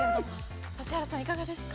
指原さん、いかがですか？